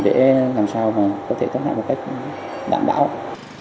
để làm sao mà có thể thoát nạn một cách